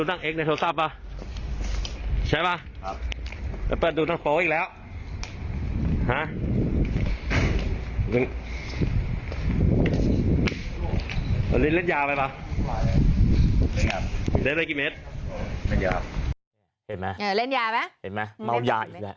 เละไปกินมั๊ย